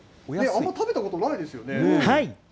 あんま食べたことないですよね。